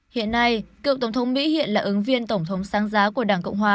hiện nay cựu tổng thống mỹ hiện là ứng viên tổng thống sáng giá của đảng cộng hòa